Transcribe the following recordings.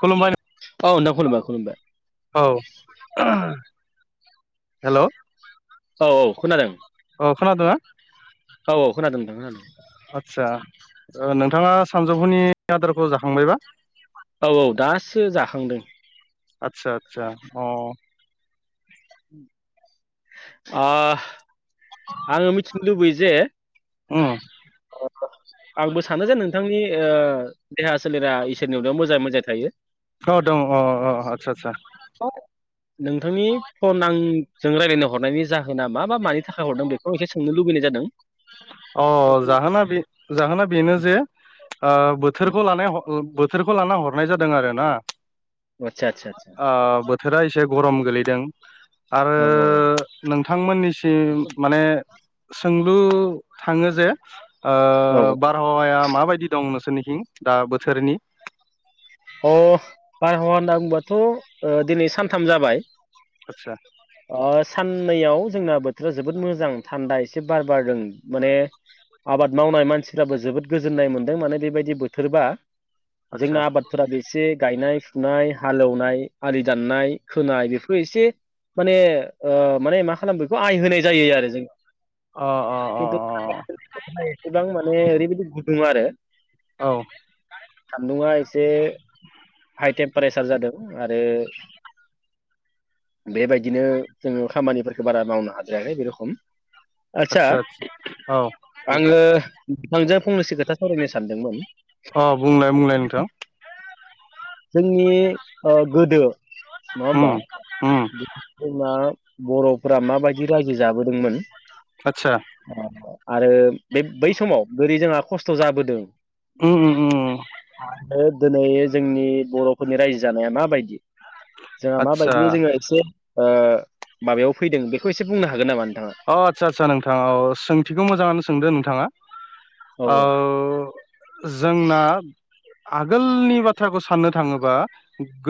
खुलुमबाय नों औ नोंथां खुलुमबाय खुलुमबाय औ ओ हेलौ औ औ खोनादों अ खोनादों ना औ औ खोनादों नोंथां खोनादों आचसा ओ नोंथाङा सानजौफुनि आदारखौ जाखांबायबा औ औ दासो जाखांदों आतसा आतसा अ ओ आङो मिथिनो लुबैयो जे ओम आंबो सानो जे नोंथांनि ओ देहा सोलेरा इसोरनि अनायाव मोजाङै मोजां थायो औ दं अ अ आदसा आदसा नोंथांनि फन आं जों रायज्लायनो हरनायनि जाहोना मा मा मानि थाखाय हरदों बेखौ एसे सोंनो लुबैनाय जादों अह उम जाहोना बे जाहोना बेनो जे ओ बोथोरखौ लाना बोथोरखौ लाना हरनाय जादों आरो ना आतसा आतसा ओ बोथोरा एसे गरम गोलैदों आरो औ नोंथांमोननिसिम माने सोंलु थाङो जे ओ औ बारहावाया माबायदि दं नों नोंसोरनिथिं दा बोथोरनि अह बारहावा होनना बुंबाथ' ओ दिनै सानथाम जाबाय आचसा अ साननैयाव जोंना बोथोरा जोबोद मोजां थान्दा एसे बार बारदों माने आबाद मावनाय मानसिफ्राबो जोबोद गोजोननाय मोनदों माने बेबायदि बोथोरबा जोंना आतसा आबादफोरा एसे गायनाय फुनाय हालेवनाय आलि दाननाय खोनाय बेफोर एसे माने ओ माने मा खालाम बेखौ आइ होनाय जायो आरो जों अ खिन्थु [unintelligible] एसेबां माने ओरैबायदि गुदुं आरो अ औ सान्दुङा एस एसे हाइ टेम्पारेसार जादों आरो बेबायदिनो जोङो खामानिफोरखो बारा मावनो हाजायाखै बे रखम आदसा आदसा औ आङो नोंथांजों फंनैसो खो खोथा सावरायनो सानदोंमोन अ बुंलाय बुंलाय नोंथां जोंनि ओ गोदो नङा उम होमबा उम जोंना बर'फोरा माबायदि रायजो जाबोदोंमोन आदसा आरो बे बै समाव बोरै जोंहा खस्थ' जाबोदों उम उम उम ओ दिनै जोंनि बर'फोरनि रायजो जानाया माबायदि जोंहा आदसा माबायदिनो जोङो एसे ओ माबायाव फैदों बेखौ एसे बुंनो हागोन नामा नोंथाङा अह आदसा आदसा नोंथाङा अह सोंथिखौ मोजाङानो सोंदो नोंथाङा औ औ ओ जोंना आगोलनि बाथ्राखौ साननो थाङोबा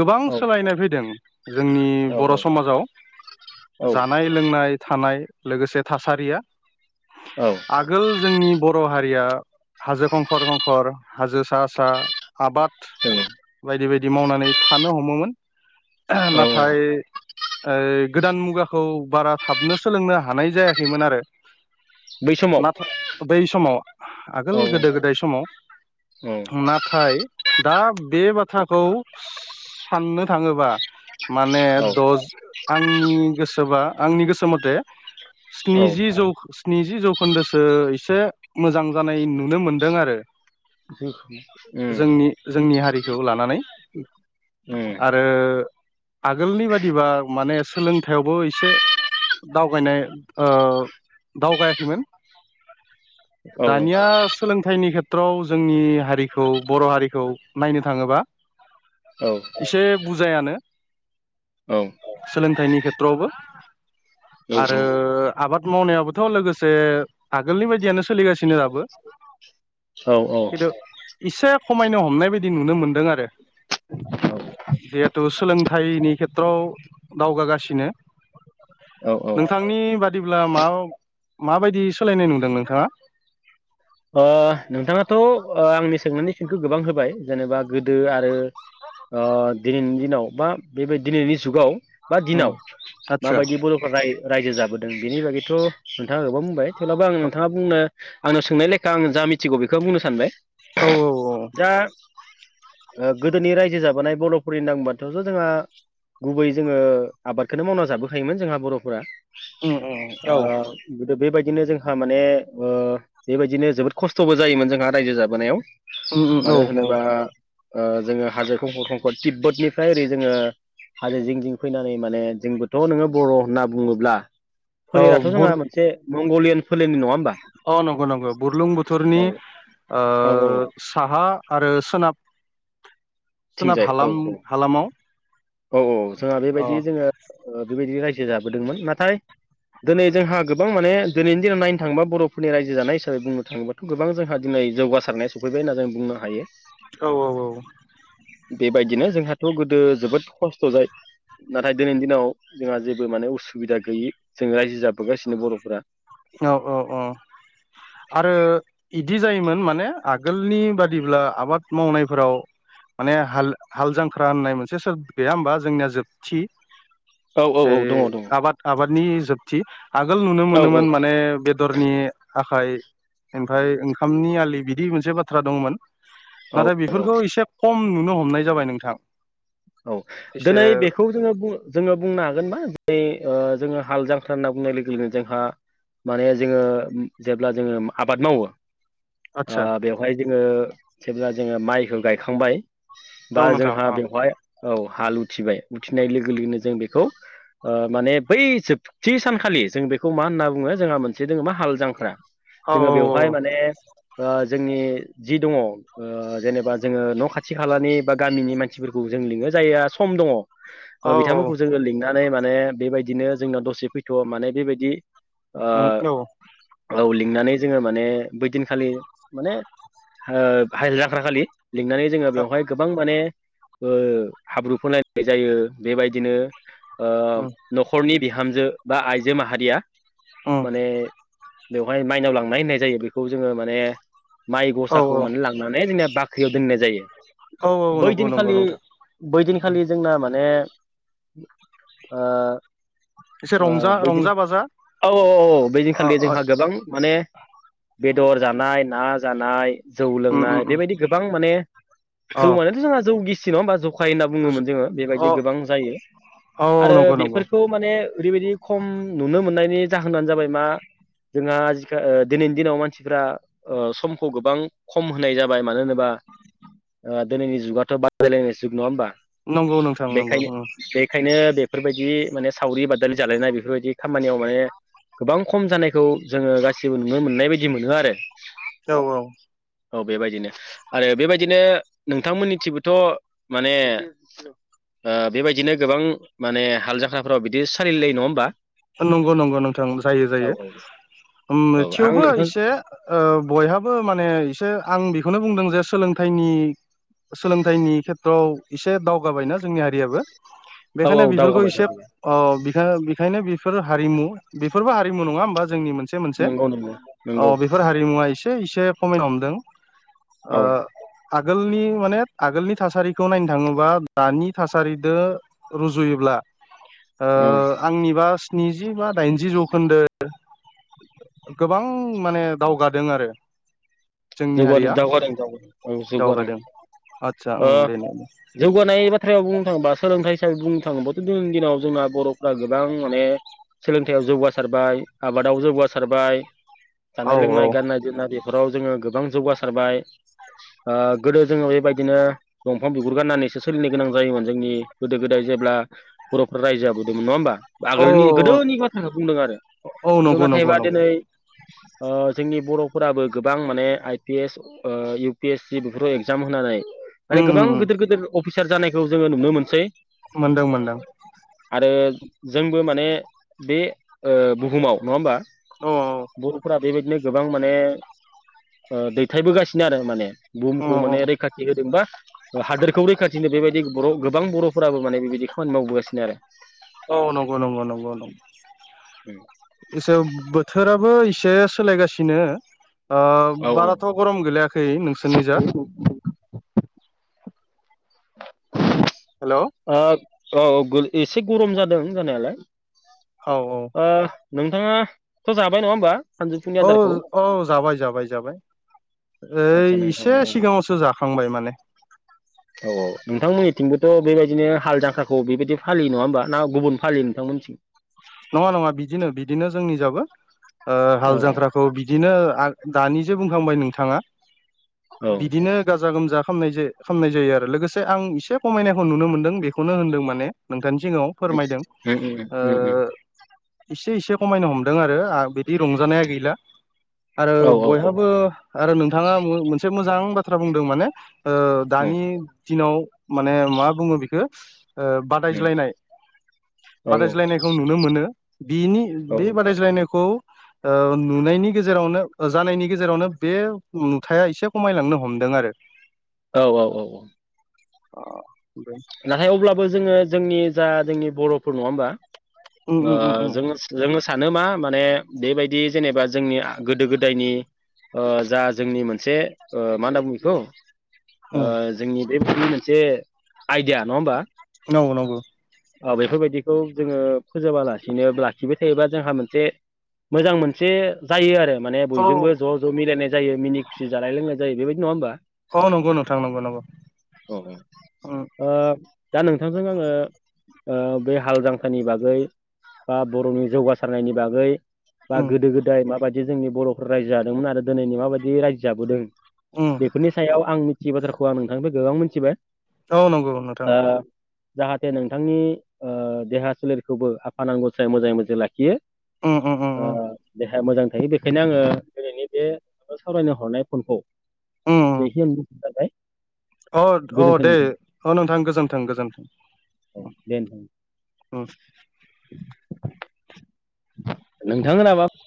गोबां औ सोलायनाय फैदों जोंनि औ बर' समाजाव औ जानाय लोंनाय थानाय लोगोसे थासारिया औ आगोल जोंनि बर' हारि [unintelligible] हाजो खंखर -खंखर हाजो सा- सा आबाद बायदि -बायदि मावनानै थानो हमोमोन। औ औ नाथाय ओ गोदान मुगाखौ बारा थाबनो सोलोंनो हायो। हानाय जायाखैमोन आरो। बै समाव नाथाय बै समाव आगोल औ गोदो -गोदाय समाव नाथाय दा बे बाथ्राखौ साननो थाङोबा माने औ दस आंनि गोसोबा आंनि गोसो मथे औ स्निजि [unintelligible] स्निजि जौखोन्दोसो एसे मोजां जानाय नुनो मोनदों आरो। उम जोंनि- जोंनि हारिखौ लानानै। उम आरो आगोलनि बादिबा माने सोलोंथाइयावबो एसे दावगानाय ओ दावगायाखैमोन औ दानिया सोलोंथाइनि [unintelligible] [unintelligible] जोंनि हारिखौ बर' हारिखौ नायनो थाङोबा औ एसे बुजायानो। औ सोलोंथाइनि खेथ्रआवबो। आरो आबाद मावनायाबोथ' लोगोसे आगोलनि बायदियानो सोलिगासिनो दाबो औ खिन्थु इसे खमायनो हमनाय बायदि नुनो मोनदों आरो। जिहेथु सोलोंथाइनि खेथ्रआव दावगागासिनो औ औ नोंथांनि अब्ला मा -माबायदि सोलायनाय नुदों नोंथाङा? ओ नोंथाङाथ' आंनि सोंनायनि फिनखौ गोबां होबाय जेनेबा गोदो आरो ओ दिनैनि दिनाव बा बेबायदि दिनैनि जुगाव बा उम दिनाव आदसा माबायदि बर'फ्रा राय-रायजो जाबोदों बेनि बागैथ' नोंथाङा गोबां बुंबाय थेवब्लाबो आं नोंथाङा बुंनो आंनो सोंनाय लेखा आं जा मिथिगौ बेखौ बुंनो सानबाय। औ औ औ। दा गोदोनि रायजो जाबोनाय बर'फोरनि नांबान्थायाथ' जोंहा गुबै जोङो आबादखौनो मावना जाबोखायोमोन जोंहा बर'फोरा। उम उम औ। आरो बेबायदिनो जोंहा माने ओ बेबायदिनो जोबोद खस्थ'बो जायोमोन जोंहा रायजो जाबोनायाव। उम उम औ मानो औ होनोबा जोङो हाजो खंखर -खंखर तिब्बतनिफ्राय ओरै जोङो हाजो जिं जिं फैनानै माने जोंबोथ' नोङो बर' होनना बुङोब्ला औ फोलेराथ' बुर जोंहा मोनसे मंगलियान फोलेरनि नङा होमबा अ नंगौ नंगौ। बुरलुंबुथुरनि औ औ औ ओ साहा आरो सोनाब सोनाब थिंजाय औ औ हालाम- हालामाव औ औ जोंहा अ बेबायदि जोङो बेबायदि रायजो जाबोदोंमोन नाथाय दिनै जोंहा गोबां माने दिनैनि दिनाव नायनो थाङोबा बर'फोरनि रायजो जानाय हिसाबै बुंनो थाङोबाथ' गोबां जोंहा दिनै जौगासारनाय सफैबाय होनना जों बुंनो हायो। औ बेबायदिनो जोंहाथ' गोदो जोबोद खस्थ'जायो। नाथाय दिनैनि दिनाव जोंहा जेबो माने उसुबिदा गैयि जों रायजो जाबोगासिनो बर'फोरा। औ औ औ। आरो बिदि जायोमोन माने आगोलनि बादिब्ला आबाद मावनायफोराव माने हाल -हाल जांख्रा होननाय मोनसे सोदोब गैया होमबा जोंनिया जोबथि औ ओ औ दङ दङ आबाद -आबादनि जोबथि आगोल नुनो औ मोनोमोन माने बेदरनि आखाइ ओमफ्राय ओंखामनि आलि बिदि मोनसे बाथ्रा दंमोन। औ नाथाय बेफोरखौ औ एसे खम नुनो हमनाय जाबाय नोंथां। औ एसे दिनै बेखौ जोङो -जोङो बुंनो हागोनबा दि जोङो हाल जांख्रा होनना बुंनाय लोगो - लोगोनो जोंहा माने जोङो जेब्ला जोङो आबाद मावो आदसा बेवहाय जोङो जेब्ला जोङो माइखौ गायखांबाय औ बा नोंथां जोंहा औ बेवहाय औ हाल उथिबाय उथिनाय लोगो - लोगोनो जों बेखौ माने बै जोबथि सानखालि जों बेखौ मा होनना बुङो जोंहा मोनसे दोङो मा हाल जांख्रा औ जोङो बेवहाय माने जोंनि जि दङ जेनेबा जोङो न' खाथि - खालानि बा गामिनि मानसिफोरखौ जों लिङो जायहा सम दङ औ औ बिथांमोनखौ जोङो लिंनानै माने बेबायदिनो जोंनाव दसे फैथ' माने बेबायदि उम औ उम औ लिंनानै जोङो माने बैदिनखालि माने हाल जांख्रा खालि लिंनानै जोङो बेवहाय गोबां माने हाब्रु फोनलायनाय जायो बेबायदिनो उम न'खरनि हामजो बा आइजो माहारिया उम माने बेवहाय माइनाव लांनाय होननाय जायो बेखौ जोङो माने माइ औ गसाखौ माने लांनानै जोंनिया बाख्रि दोननाय औ जायो बै नंगौ नंगौ दिनखालि नोंथां बैदिनखालि जोंना माने एसे ओ रंजा- बैदिन रंजा बाजा औ -औ -औ औ अ बेजोंखालि अ जोंहा गोबां माने बेदर जानाय ना जानाय जौ उम उम लोंनाय उम बेबायदि गोबां माने अ जौ मानेथ' जोंहा जौ गिसि नङा होमबा उफाय होनना बुङोमोन जोङो औ बेबायदि गोबां जायो औ आरो नंगौ नंगौ बेफोरखौ माने ओरैबायदि खम नुनो मोननायनि जाहोनानो जाबाय मा जोंहा आजिखा ओ दिनैनि दिनाव मानसिफ्रा ओ समखौ गोबां खम होनाय जाबाय मानो होनोबा ओ दिनैनि जुगाथ' बादायलायनाय जुग नङा होमबा नंगौ नोंथां नंगौ बेनिखायनो बेखायनो बेफोरबायदि माने सावरि बा- दालि जालायनाय बेफोरबायदि खामानियाव माने गोबां खम जानायखौ जोङो गासिबो नुनो मोननाय बायदि मोनो आरो औ- औ औ बेबायदिनो आरो बेबायदिनो नोंथांमोननिथिबोथ' माने ओ बेबायदिनो गोबां माने हाल जाख्राफोराव बिदि सलिलायो नङा होमबा नंगौ नंगौ नोंथां जायो औ जायो उम औ आं थेवबो नोंथां एसे ओ बयहाबो माने आं बेखौनो बुंदों जे सोलोंथाइनि सोलोंथाइनि खेथ्रआव एसे दावगाबायना जोंनि हारियाबो औ बेखायनो औ बेफोरखौ दावगाबाय इसे दावगाबाय अ बेखायनो बेफोर हारिमु बेफोरबो हारिमु नङा होमबा जोंनि मोन- से नंगौ नंगौ नंगौ मोनसेओ बेफोर हारिमुवा इसे एसे खमायनो हमदों औ आगोलनि माने आगोलनि थासारिखौ नायनो थाङोबा दानि थासारिदो रुजुयोब्ला [unintelligible] ओ आंनिबा स्निजि बा दाइनजि जौखोन्दो गोबां माने दावगादों आरो जोंनि जौगादों हारिया दावगादों - दावगादों औ जौगादों दावगादों आदसा ओ ओम बेनो जौगानाय बाथ्रायाव बुंनो थाङोबा सोलोंथाइ बुंनो थाङोब्लाथ' दिनैनि दिनाव जोंना बर'फ गोबां माने सोलोंथाइयाव जौगासारबाय आबादाव जौगासारबाय औ जानाय - औ लोंनाय, गाननाय -जोमनाय बेफोराव जोङो गोबां जौगासारबाय ओ गोदो जोङो बेबायदिनो दंफां बिगुर गाननानैसो सोलिनो गोनां जायोमोन जोंनि गोदो - गोदाय जों जेब्ला बर'फ्रा रायजो जाबोदोंमोन नङा होमबा औ आगोलनि गोदोनि बाथ्राखौ बुंदों आरो औ खिन्थु नंगौ नंगौ नाथायबा नंगौ दिनै ओ जोंनि बर' फोराबो गोबां माने आइ पि एस ओ इउ पि एस सि बेफोराव एग्जाम होनानै उम माने उम गोबां उम गिदिर गिदिर अफिसार जानायखौ जोङो नुनो मोनसै मोनदों मोनदों आरो जोंबो माने बे ओ बुहुमाव नङा होमबा औ औ बर'फोरा बेबायदिनो गोबां माने ओ दैथायबोगासिनो आरो माने बुहुमखौ औ औ माने रैखाथि होदोंबा हादोरखौ रैखाथिनो बेबायदि बर' गोबां बर'फोराबो माने बेबायदि खामानि मावबोगासिनो आरो औ नंगौ नंगौ नंगौ नंगौ इसे बोथोराबो एसे सोलायगासिनो ओ औ बाराथ' गरम गोलोयाखै नोंसोरनि जा हेलौ ओ औ एसे गरम जादों जानायालाय औ ओ नोंथाङा थ' जाबाय नङा होमबा सानजौफुनि औ आदारखौ औ जाबाय जाबाय जाबाय आदसा ओइ नोंथां एसे औ सिगाङावसो जा खांबाय माने [unintelligible] औ नोंथांमोननिथिंबोथ' बेबायदिनो हाल जांख्राखौ बेबायदि फालियो नङा होमबा ना गुबुन फालियो नोंथांमोननिथिं नङा नङा बिदिनो बिदिनो जोंनि जाबो ओ हाल औ जांख्राखौ बिदिनो आ दानिजे बुंखांबाय नोंथाङा औ बिदिनो गाजा गोमजा खामनाय जायो खालामनाय जायो आरो लोगोसे आं एसे खमायनायखौ नुनो मोनदों बेखौनो होनदों माने नोंथां जिङाव फोरमायदों उम उम ओ उम एसे एसे खमायनो हमदों आरो आ बिदि रंजानाया गैला आरो औ औ औ बयहाबो आरो नोंथाङा मोनसे मोजां बाथ्रा बुंदों माने ओ उम दानि दिनाव माने मा बुङो बेखौ ओ बादायज्लायनाय औ औ बादायज्लायनायखौ नु नो मोनो बिनि औ बे बादायज्लायनायखौ ओ नुनायनि गेजेरावनो जानायनि गेजेरावनो बे नुथाया एसे खमायलांनो हम दों आरो औ औ औ औ अ नाथाय अब्लाबो जोङो जोंनि जा जोंनि बर'फोर नङा होमबा उम ओ उम उम उम जों जों सानो मा माने बेबायदि जेनेबा जोंनि गोदो गोदायनि ओ जा जोंनि मोनसे मा होनना बुङो बेखौ ओ उम जोंनि बेबायदिदि मोनसे आइडिया नङा होमबा नंगौ नंगौ औ बेफोरबायदिखौ जोङो फोजोबालासिनो लाखिबाय थायोबा जोंहा मोनसे मोजां मोनसे जायो आरो माने औ बयजोंबो ज' ज' मिलायनाय जायो मिनि खुसि जानाय लोंनाय जायो बेबायदि नङा होमबा औ नंगौ नोंथां नंगौ नंगौ अ औ उम ओ दा नोंथांजों आङो ओ बे हाल जांखनि बागै बा बर'नि जौगासारनायनि बागै बा उम गोदो-गोदाय माबायदि जोंनि बर'फोर रायजो जादोंमोन आरो दिनैनि माबायदि रायजो जाबोदों। उम बेफोरनि सायाव आं मिथियै बाथ्राखौ आं नोंथांनो गोबां मिथिबाय औ नंगौ नोंथां ओ जाहाथे नोंथांनि ओ देहा सोलेरखौबो आफा गसाया मोजाङै मोजां लाखियो। उम उम उम ओ उम दे मोजां थायो बेखायनो आङो दिनैनि बे सावरायनो हरनाय फनखौ उम जखि जाबाय अ अ दे नोंथां अ नोंथां गोजोन्थों गोजोन्थों औ दे उम नोंथां [unintelligible]